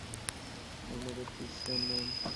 আপনাদের ক্রিশ্চান নাম?